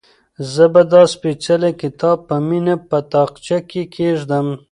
زه به دا سپېڅلی کتاب په مینه په تاقچه کې کېږدم.